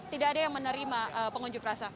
tidak ada yang menerima pengunjuk rasa